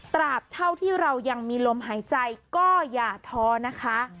ตราบเท่าที่เรายังมีลมหายใจก็อย่าท้อนะคะ